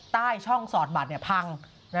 ใต้ช่องสอดบัตรพัง